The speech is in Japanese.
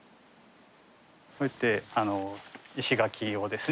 こうやって石垣をですね